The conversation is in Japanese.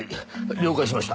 了解しました。